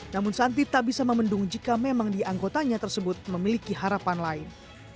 namun santi tak bisa memendung jika memang di anggotanya tersebut memiliki harapan lain